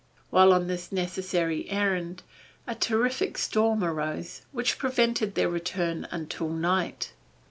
While on this necessary errand, a terrific storm arose, which prevented their return until night.